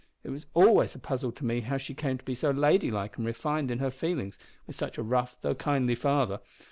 "It was always a puzzle to me how she came to be so lady like and refined in her feelings, with such a rough, though kindly, father.